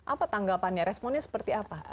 apa tanggapannya responnya seperti apa